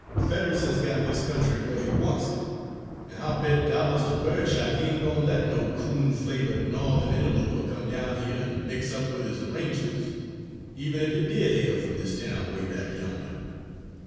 "Fetters has got this county where he wants it, an' I'll bet dollars to bird shot he ain't goin' to let no coon flavoured No'the'n interloper come down here an' mix up with his arrangements, even if he did hail from this town way back yonder.